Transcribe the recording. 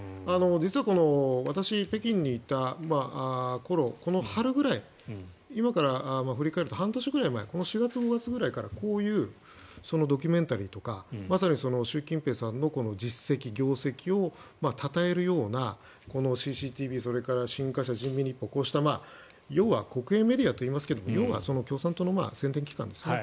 実は私、北京にいた頃この春ぐらい今から振り返ると春くらい４月、５月ぐらいからこういうドキュメンタリーとかまさに習近平さんの実績、業績をたたえるようなＣＣＴＶ、それから新華社、人民日報こうした国営メディアといいますが要は共産党の宣伝機関ですね。